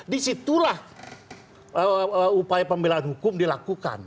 di situlah upaya pembelahan hukum dilakukan